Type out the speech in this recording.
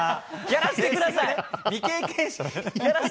やらせてください。